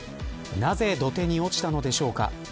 なぜ土手に落ちたのでしょうか。